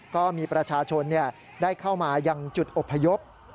ก็มีประชาชนได้เข้ามายังจุดอพยพ